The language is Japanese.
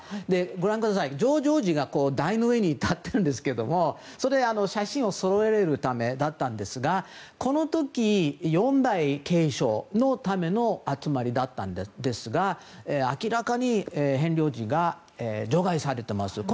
ご覧ください、ジョージ王子が台の上に立っているのは写真をそろえるためだったんですがこの時、４代継承のための集まりだったんですが明らかにヘンリー王子が除外されていますよね。